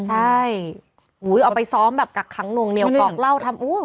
ใช่เอาไปซ้อมแบบกักขังหน่วงเหนียวกอกเหล้าทำอู้